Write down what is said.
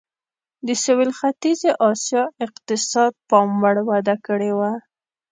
د سوېل ختیځې اسیا اقتصاد پاموړ وده کړې وه.